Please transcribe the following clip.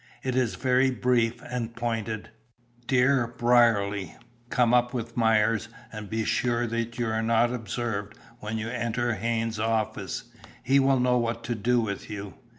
"It is very brief and pointed: "'DEAR BRIERLY, Come up with Myers, and be sure that you are not observed when you enter Haynes' office. He will know what to do with you.